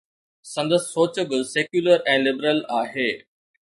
سندس سوچ به سيڪيولر ۽ لبرل آهي.